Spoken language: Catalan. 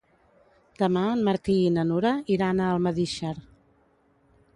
Demà en Martí i na Nura iran a Almedíxer.